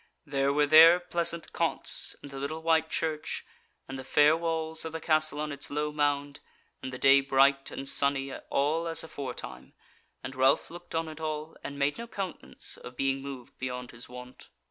There were their pleasant cots, and the little white church, and the fair walls of the castle on its low mound, and the day bright and sunny, all as aforetime, and Ralph looked on it all, and made no countenance of being moved beyond his wont.